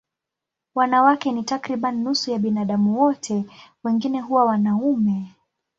Wanawake ni takriban nusu ya binadamu wote, wengine huwa wanaume.